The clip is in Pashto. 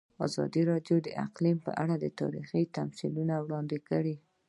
ازادي راډیو د اقلیم په اړه تاریخي تمثیلونه وړاندې کړي.